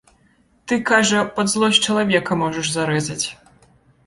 Ты, кажа, пад злосць чалавека можаш зарэзаць.